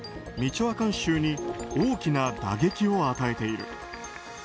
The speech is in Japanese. ミチョアカン州に大きな打撃を与えている。